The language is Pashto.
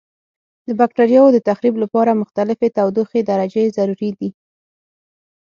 د بکټریاوو د تخریب لپاره مختلفې تودوخې درجې ضروري دي.